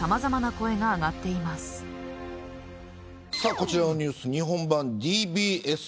こちらのニュース日本版ＤＢＳ。